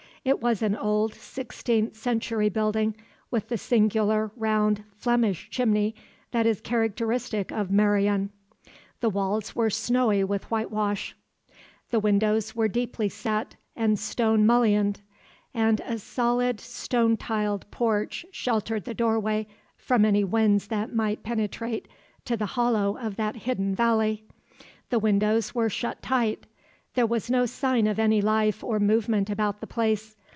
It was an old, sixteenth century building, with the singular round, "Flemish" chimney that is characteristic of Meirion. The walls were snowy with whitewash, the windows were deeply set and stone mullioned, and a solid, stone tiled porch sheltered the doorway from any winds that might penetrate to the hollow of that hidden valley. The windows were shut tight. There was no sign of any life or movement about the place.